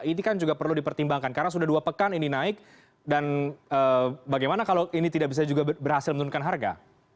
ini kan juga perlu dipertimbangkan karena sudah dua pekan ini naik dan bagaimana kalau ini tidak bisa juga berhasil menurunkan harga